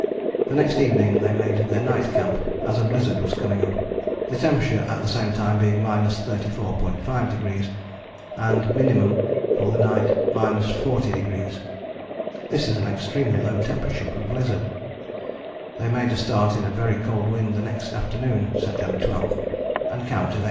The next evening they made their night camp as a blizzard was coming up, the temperature at the same time being 34.5° and minimum for the night 40°. This is an extremely low temperature for a blizzard. They made a start in a very cold wind the next afternoon (September 12) and camped at 8.